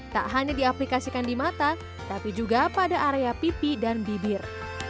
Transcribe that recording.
tak hanya diaplikasikan di mata tapi juga pada area pipi dan bibir